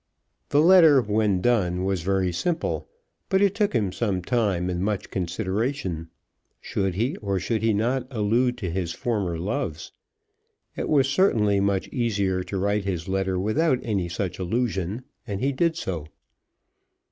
The letter when done was very simple, but it took him some time, and much consideration. Should he or should he not allude to his former loves? It was certainly much easier to write his letter without any such allusion, and he did so.